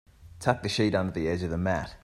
Tuck the sheet under the edge of the mat.